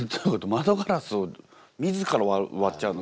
窓ガラスを自ら割っちゃうの？